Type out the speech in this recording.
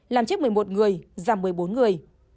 làm chết một mươi một người giảm một mươi bốn người